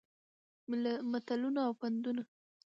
متلونه او پندونه